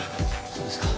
そうですか。